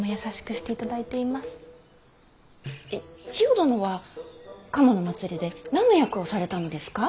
えっ千世殿は賀茂の祭りで何の役をされたのですか。